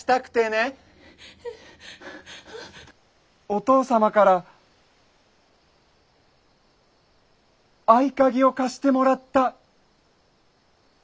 お父様から合鍵を貸してもらった。